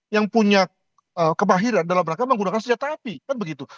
yang punya kebahiran dalam mereka menggunakan senjata api